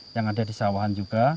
yang ada di sawahan juga